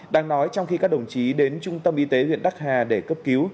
đang nói trong khi các đồng chí đến trung tâm y tế huyện đắc hà để cấp cứu